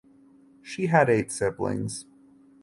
She had eight siblings.